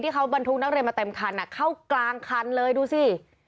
เขาบรรทุกนักเรียนมาเต็มคันเข้ากลางคันเลยดูสิ